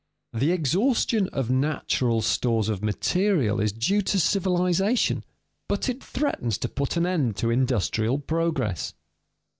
_The exhaustion of natural stores of material is due to civilization, but it threatens to put an end to industrial progress.